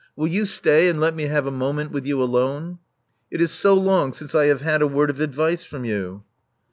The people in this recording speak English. Will you stay and let me have a moment with you alone? It is so long since I *^have had a word of advice from you.